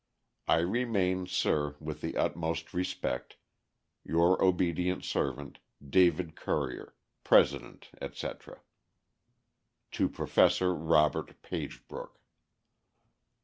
I remain, sir, with the utmost respect, Your obedient servant, DAVID CURRIER, President, etc. _To Professor Robert Pagebrook.